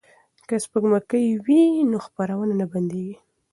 که سپوږمکۍ وي نو خپرونه نه بندیږي.